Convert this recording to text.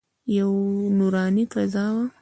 یوه نوراني فضا وه.